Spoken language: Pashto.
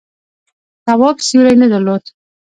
تواب سیوری نه درلود.